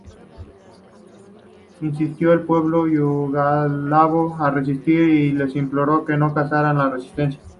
Instó al pueblo yugoslavo a resistir y les imploró que no cesaran la resistencia.